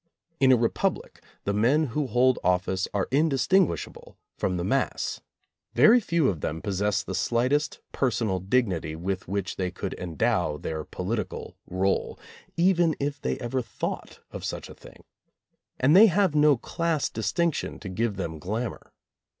In a republic the men who hold office are indistinguishable from the mass. Very few of them possess the slightest personal dignity with which they could endow their political role; even if they ever thought of such a thing. And they have no class distinction to give them glamor.